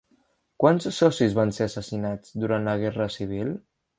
Quants socis van ser assassinats durant la guerra civil?